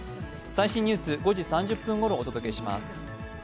最新ニュース５時３０分ごろお届けします。